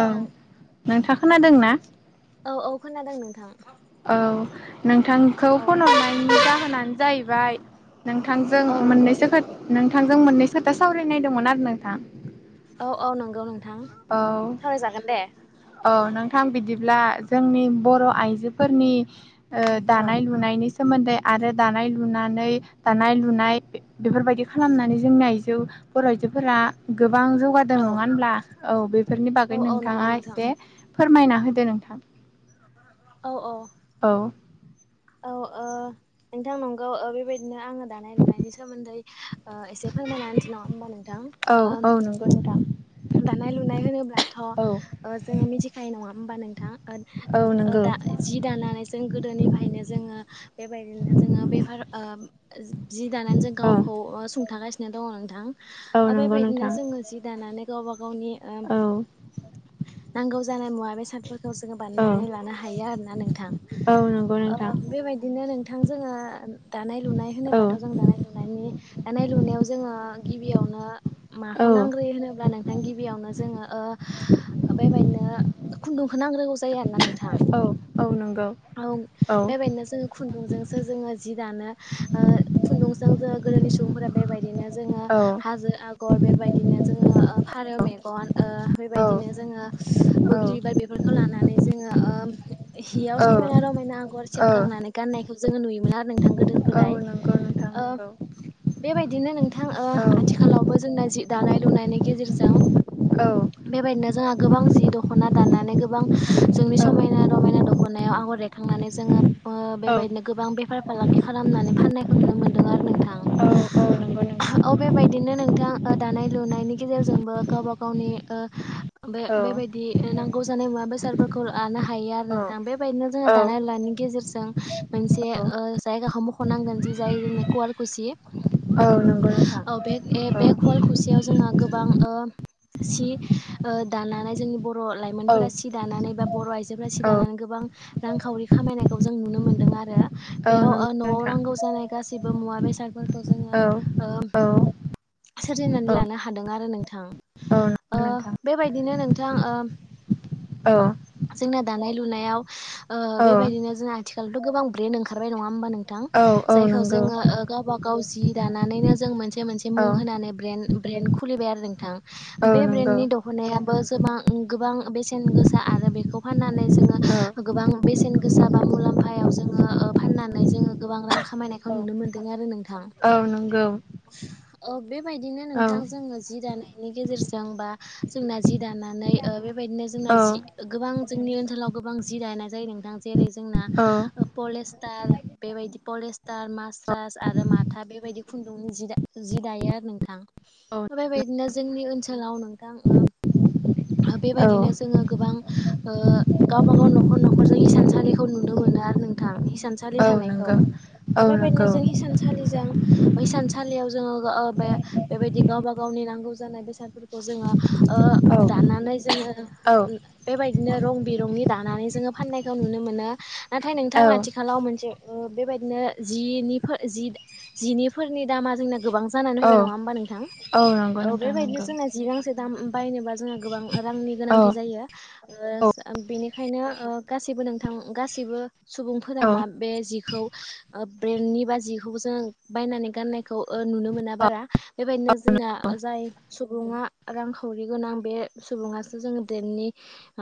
औ नोंथाङा खोनादों ना? औ औ खोनादों नोंथां औ नोंथांखौ औ फन हरनायनि जाहोनानो जाहैबाय नोंथांजों औ नंगौ मोननैसो नोंथांजों मोननैसो खोथा सावरायनायदोंमोन आरो नोंथां। औ औ नंगौ नंगौ औ औ नोंथां बिदिब्ला जोंनि बर' आइजोफोरनि औ दानाय लुनायनि सो सोमोन्दै आरो दानाय लुनानै दानाय लुनाय बेफोरबायदि खालामनानै जोंनि आइजो बर' आइजोफोरा गो बां जौगादों औ नङा होनब्ला औ बेफोरनि औ बागै औ नंगौ नोंथाङा नोंथां एसे फोरमायना होदो नोंथां। औ औ औ औ नोंथां नंगौ बेबायदिनो आङो दानाय लुनायनि सोमोन्दै एसे फोरमायना होनसै नङा होमबा नोंथां? औ औ नंगौ ओ नोंथां दानाय लुनाय होनोब्लाथ' औ जोङो मिथिखायो नङा होमबा नोंथां? औ ओ नंगौ जि दानानै जों गोदोनिफ्रायनो जों बेबायदिनो जोङो बेफार जि दानानै जों औ गावखौ सुंथागासिनो दङ औ नोंथां नंगौ बेबायदिनो नोंथां जोङो जि दानानै गावबा गाव गावनि औ नांगौ जानाय मुवा बेसादफोरखौ जोङो औ बानायनानै लानो हायो आरो ना नोंथां औ नंगौ नोंथां ओ बेबायदिनो नोंथां जोङो दानाय लुनाय औ होनोबाथ' जों दानाय लुनायनि दानाय लुनायाव जोङो गिबियावनो मा औ बेखौ नांग्रो होनोब्ला नों बेयावनो जोङो बेबायदिनो खुन्दुंखौ नांग्रोगौ जायो होननानै औ औ नंगौ औ औ बेबायदिनो जोङो खुन्दुंजोंसो जोङो जि दानो खुन्दुं जों जोङो गोदोनि सुबुंफोरा बेबायदिनो जोङो औ हाजो आगर बेबायदिनो जोङो ओ आरो मेगन औ बेबायदिनो जोङो बोग्रि बिबार बेफोरखौ जोंङो लानानै जोङो हियाव औ समायना रमायना आग'र औ सेबखांनानै गाननायखौ जोङो नुयोमोन आरो नोंथां गोदो औ गोदाय। नंगौ नोंथां ओ नंगौ बेबायदिनो नोंथां ओ औ आथिखालावबो जोंना जि दानाय लुनायनि गेजेरजों औ बेबायदिनो जोंहा गोबां जि दख'ना दाननानै गोबां जोंनि औ समायना रमायना दख'नायाव आगर एरखांनानै जोङो बेबायदिनो गोबां बेफार फालांगि खालामनानै फाननायखौ नुनो मोनदों आरो नोंथां। औ नंगौ नोंथां औ बेबायदिनो नोंथां दानाय लुनायनि गेजेरजों गेजेरजोंबो गावबा-गावनि औ बेबादि नांगौ जानाय मुवा बेसादफोरखौ लानो हायो आरो नोंथां। बेबायदिनो जोंहा औ दानाय लुनायनि गेजेरजों जों मोनसे जायगाखौ मख'नांगोन जि जाय जोंनो कवालकुसि औ नंगौ नोंथां औ बे औ बे खुवाल खुसेयाव जोंहा गोबां सि दानानै जोंनि बर' बर' औ लाइमोनफोरा सि दानानै बा बर' आइजोफोरा सि औ नंगौ नोंथां औ दानानै गोबां रांखावरि खामायनायखौ जों नुनो मोन्दों आरो। औ बेयाव नंगौ न'आव नोंथां नांगौ जानाय गाैबो मुवा बेसादफोरखौ जोङो औ ओ औ सोरजिनानै लानो हादों आरो नोंथां। बेबायदिनो नोंथां जोंना दानाय लुनायाव बेबायदिनो जों आथिखाल आथिखालथ' गोबां ब्रेन्ड ओंखारबाय नङा होमबा नोंथां औ जायखौ नंगौ जोङो गावबा गाव जि दानानैनो जों मोनसे मोनसे औ मुं होनानै ब्रेन ब्रेन्ड खुलिबाय आरो। थां औ बे नंगौ ब्रेन्डनि दखनायाबो जोबां-गोबां बेसेन गोसा आरो बेखौ फाननानै जोङो औ गोबां बेस सेन गोसा बा मुलाम्फायाव जोङो फाननानै जोङो गोबां रां खामायनायखौ नुनो मोन्दों आरो नों थां। ‌ औ नंगौ ओम बेबायदिनो औ नोंथां जोङो जि दानाय जेरजों बा जोंना जि दानानै ओ बेबायदिनो जोंना औ जि-गोबां जोंनि ओनसोलाव गोबां जि दिनाय जायो नोंथां जेरै जोंना औ पलेस्टार बेबायदि पलेस्टार, मास्रास आरो माथा बेबायदि खुन्दुंनि जि दा जि दायो आरो नोंथां औ ओमफ्राय बायदि जोंनि ओनसोलाव नोंथां औ बेबायदिनो जोङो गोबां गावबा गाव न'खर न'खरजों थानसालिखौ नुनो मोनो आरो नोंथां। हिसानसालि औ थानायखौ नंगौ औ ओमफाय बेबायदिनो नंगौ जों हिसानसालिजों हिसानसालियाव जोङो ओ बे बेबायदि गावबा गावनि नांगौ जानाय बेसादफोरखौ जोङो ओ औ दानानै जोङो औ बेबायदिनो रं बिरंनि दानानै जोङो फाननायखौ नुनो मोनो नाथाय नोंथां औ आथिखालाव मोनसे बेबायदिनो जिनि जिनिफोरनि दामा जोंना गोबां जानानै फैबाय औ नङा होमबा नोंथां? नंगौ औ नोंथां बेबायदिनो नंगौ जोंना जि गांसे दाम बायनोबा जोंहा गोबां रांनि गोनांथि औ जायो। औ ओ बेनिखायनो ओ गासैबो नोंथां गासैबो सुबुंफोरा औ मा बे जि ब्रेननि बा जिखौबो जों बायनानै गाननायखौ नुनो मोना बारा। बेबायदिनो जोंना जाय सुबुङा रांखावरि गोनां बे सुबुङासो जोङो ब्रेननि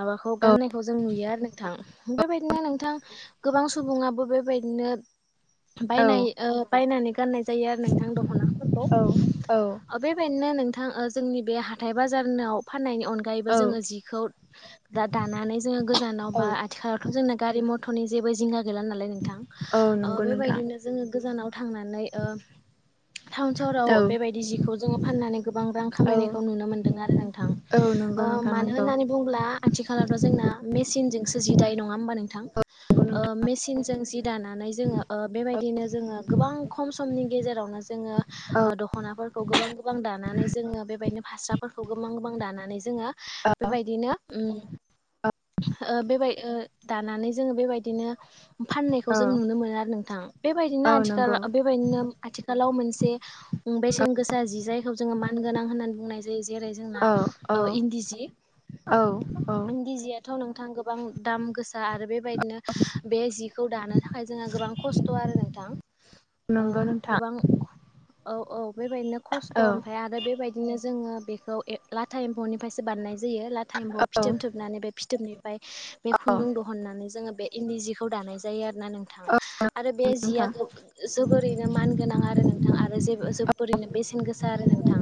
माबाखौ औ गान नायखौ जों नुयो आरो नोंथां बेबायदिनो नोंथां गोबां सुबुङाबो बेबायदिनो [inaudible] बायनाय बायनानै गाननाय जायो आरो नोंथां दखनाफोरखौ औ बेबायदिनो नोंथां जोंनि बे हाथाय बाजारनाव फाननायनि अनगायैबो औ जोङो जिखौ दा-दानानै जोङो गोजानाव औ बा आथिखालावथ' जोंना गारि मथरनि जेबो जिंगा गैला नालाय नोंथां औ ओ नंगौ नोंथां बेबायदिनो जोङो गोजानाव थांनानै ओ टावन सहराव औ बेबायदि जि फाननानै गोबां रां औ खामायनायखौ नुनो मोनदों आरो नोंथां। औ ओ नंगौ नोंथां मानो नंगौ होननानै बुं आथिखाल आथिखालावथ' जोंना मेसिनजों जि दायो नङा होनबा नोंथां? नंगौ ओ नोंथां मेसि सिनजों जि दानानै जोङो बेबायदिनो जोङो गोबां खम समनि गेजेरावनो जोङो औ ओ दखनाफोर गोबां दानानै जोङो बेबायदिनो फास्राफोरखौ गोबां गोबां दानानै जोङो बेबायदिनो उम ओ बेबाय ओ दानानै जोङो बेबायदिनो फाननायखौ औ जों नुनो मोनो आरो नोंथां बेबायदिनो औ आथिखाल नंगौ बेबायदिनो आथिखालाव मोन से बेसेन गोसा जि जायखौ जोङो मानगोनां होननानै बुंनाय जा नै जेरै जोंना औ औ ओ इन्दि जि औ इन्दि जियाथ' नोंथां गोबां दाम गोसा आरो बेबायदिनो बे जिखौ दानो थाखाय जोंहा गोबां खस्थ आरो नोंथां। ओ नोंगौ नोंथां। गोबां औ औ बेबायदिनो खस्थ' औ ओमफाय आरो बेबायदिनो जोङो बेखौ लाथा एम्फौनिफ्रायसो बानायनाय जायो लाथा एम्फौआ फिथोब थोबनानै बे फिथोबनिफ्राय बे औ खुन्दुं दिहुननानै जोङो बे इन्दि जिखौ दानाय जायो आरो। नोंथां औ आरो बे जिया नोंथां जोबोरैनो मान गोनां आरो नोंथां आरो जोबोरैनो सेन गोसा नोंथां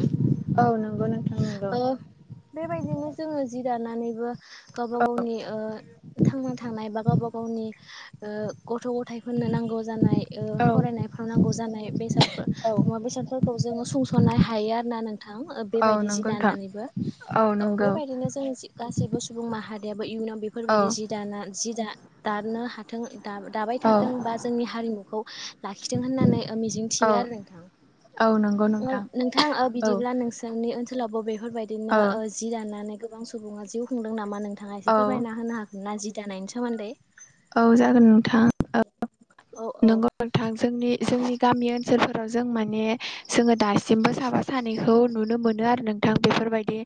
औ नंगौ नोंथां नंगौ ओ बेबायदिनो जोङो जि दाना नानैबो गाव गावनि ओ थांना थानाय बा गावबा गावनि ओ ग गथ' गथायफोरनो नांगौ जानाय औ औ फरायनायफ्राव नांगौ जानाय बेसाद औ मुवा बेसादफोरखौ जोङ सुंस'नो हायो आरो ना नों औ बेबायदि जि नंगौ नोंथां दानानैबो औ बेबायदिनो जों गासैबो सुबुं माहारि इयुनाव औ बेफोरबायदि जि दाना जि द दानो हाथों दा दाबाय औ थाथों बा जोंनि हारिमुखौ लाखिथों होननानै औ मिजिंथियो आरो नोंथां औ नंगौ नोंथां नोंथां औ बिदिब्ला नोंसोरनि ओनसोलावबो बे बेफोरबायदिनो औ जि दाननानै गोबां सुबुङा जिउ खुंदों नामा नोंथाङा एसे औ फोरमायना होनो हागोन ना जि दानायनि सोमोन्दै औ जागोन नोंथां औ औ औ नंगौ नोंथां जोंनि जोंनि गामि ओनसोलफोराव ज जों माने जोङो दासिमबो साफा सानैखौ नुनो मोनो आरो नोंथां बेफोरबायदि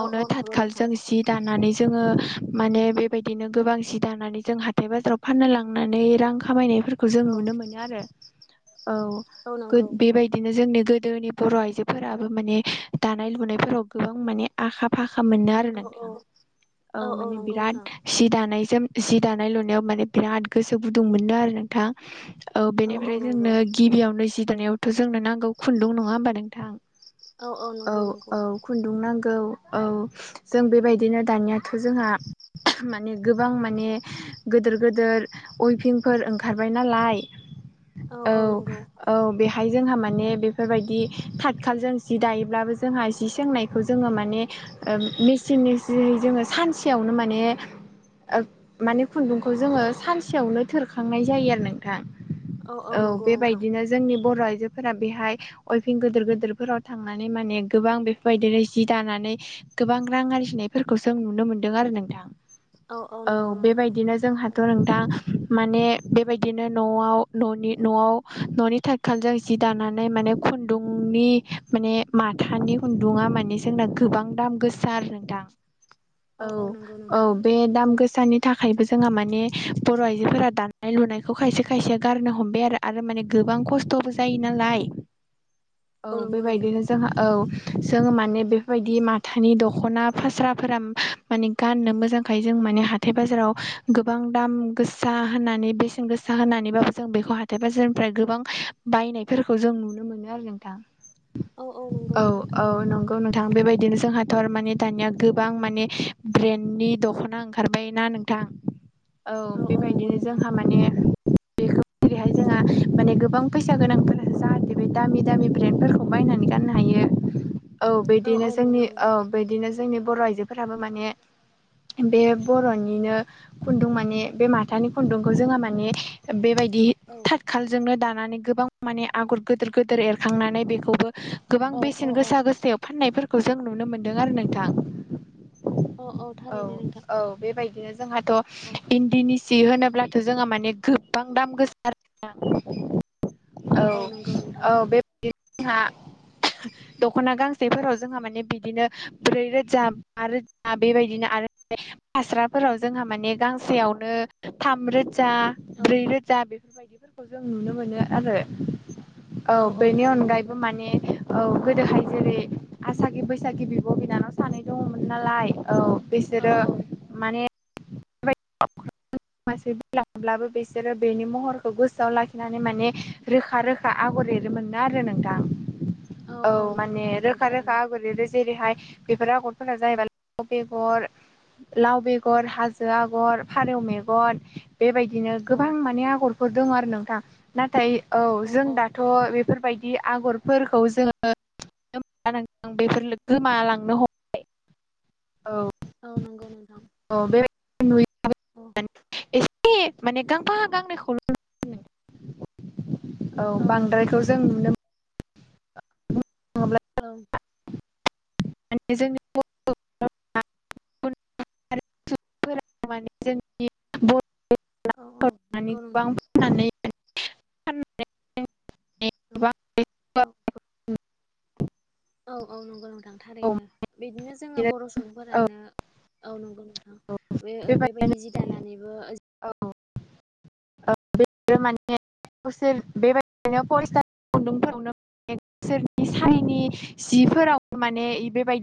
औ औ नंगौ थाथ नोंथां खालजों सि दानानै जोङो माने बेबायदिनो गोबां सि दानानै जों हाथाय बाजाराव फाननो लांनानै रां खामायनाय फोरखौ जों औ नुनो मोनो आरो औ बेबायदिनो जोंनि गोदोनि बर' आइजोफोराबो माने दानाय लुनायफोराव गोबां माने आखा फाखा मोननो आरो औ औ नोंथां औ माने बिराद सि दानायजों द दानाय लुनायाव माने बिराद गोसो गुदुं मोननो आरो नोंथां औ औ बेनिफ्राय नंगौ जोंनो गिबियावनो जि दानायावथ जोंनो नांगौ खुन्दुं नङा होमबा नोंथां औ औ खुन्दुं नांगौ औ जों बेबायदिनो दानियाथ जोंहा माने गोबां माने गोदोर गोदोर उइपिंफोर ओंखारबाय नालाय औ औ बे बेाहाय जोंहा माने बेफोरबायदि थाथखाल जों जि दायोब्लाबो जोंहा जि सोंनायखौ जोङो माने ओ मेचिन [unintelligible] जोङो सानसेयावनो माने माने खुन्दुंखौ जोङो सानसेयावनो थोरखांनाय जायो आरो नोंथां औ बेबायदिनो जोंनि बर' आइजोफोरा बेहाय अयफिं गोदोर गोदोरफोराव थांनानै माने गोबां बेफोरबायदिनो जि दानानै गोबां रां आरजिनायफोरखौ जों नुनो मोनदों आरो नोंथां औ औ नंगौ नोंथां बिदिनो जोंहाथ' नोंथां माने बेबायदिनो न'आव न'नि न'आव न'नि थाथसालजों जि दानानै माने खुन्दुंनि माने माथानि खुन्दुङा माने जोंना गोबां दाम गोसा आरो ना औ औ बे दाम गोसानि थाखाय थाखायबो जोंहा माने बर' आइजोफोरा दानाय लुनायखौ खायसे खायसे गारनो हमबाय आरो माने गोबां खस्थ'बो जायो नालाय औ नंगौ नोंथां बेबायदिनो जोंहा औ जों माने बेफोरबायदि माथानि दख'ना फास्राफोरा माने गाननो मोजांखाय जों माने हाथाय बाजाराव गोबां दाम गोसा होनानै बेसेन गोसा होनानैबाबो जों बेखौ हाथाय बाजारनिफ्राय गोबां बायनायफोरखौ जों नुनो मोनो आरो नोंथां औ नंगौ औ नोंथां औ थारैनो नंगौ नोंथां बेबायदि बिदिनो जोंहाथ' माने दानिया गोबां माने ब्रेन्डनि दख'ना ओंखारबाय ना थां औ बेबायदिनो जोंहा माने बेहाय जोंहा माने गोबां फैसा गोनांफोरा जाहाथे बे दामि दामि ब्रेन्डफोरखौ बायनानै गाननो हायो। औ बिदिनो औ जोंनि नंगौ औ नोंथां बिदिनो जोंनि बर'जो आइजोफोराबो माने बे बर'निनो खुन्दुं माने बे माथानि खुन्दुंखौ जोङो माने बेबायदि औ थाथ सालजोंनो दानो नानै गोबां माने आगर गिदिर गिदिर एरखांनानै बेखौबो गोबां औ बेसेन औ औ गोसा गोसायाव फाननायफोरखौ जों नुनो मोनदों आरो नोंथां औ औ थारैनो नोंथां औ बेबायदिनो औ जोंहाथ' इन्दिनि जि होनोब्लाथ' जोंहा माने गोबां दाम गोसा औ औ नंगौ नोंथां बिदिनो जोंहा दख'ना गांसेफोराव जोंहा माने बिदिनो ब्रै रोजा बा रोजा बेबायदिनो आरो फास्राफोराव जोंहा माने गांसेयावनो थाम रोजा औ ब्रै रोजा बे बेफोरबायदिफोरखौ जों नुनो मोनो आरो औ बेनि अनगायैबो माने औ गोदोहाय जेरै आसागि बैसागि बिब' बिनानाव सानै दङमोन नालाय औ औ बिसोरो औ माने [unintelligible] मासे दाउ बिरलांब्लाबो बिसोरो बेनि महरखौ गोसोआव लाखिनानै माने रोखा रोखा आगर एरो मोननो आरो नोंथां। औ नंगौ माने नंगौ रोखा रोखा थारैनो आगर एरो। जेरैहाय बेफोर आगरफोरा जाहैबाय बेगर लाव बेगर गर हाजो आगर फारौ मेगन बेबायदिनो औ गोबां माने आगर फोर दङ आरो नोंथां नाथाय औ जों दाथ' बेफोरबाय दि आगरफोरखौ जोङो बेफोर गोमालांनो हमबाय। ओ नंगौ नोंथां औ औ बे माने गांफा गांनैखौल' औ नंगौ बांद्रायखौ नोंथां जों नुनो मोनोब्ला औ माने जोंनि [unintelligible] आरो सुबुंफोरा माने जोंनि बर [unintelligible] औ नंगौ नोंथां फाननानै फाननानै [unintelligible] गोबां औ औ औ औ नंगौ नोंथां औ थारैनो बिदिनो जोङो बर' सुबुंफोरानो औ नंगौ नोंथां बे बेबायदि जि दानानैबो औ बेफोरो माने [unintelligible] बिसोर बेबायदिनो फरायसा खुन्दुंफोरावनोसोरनि [unintelligible] नि जिफोराव माने बेबाय